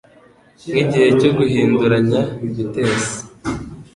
nk igihe cyo guhinduranya vitesi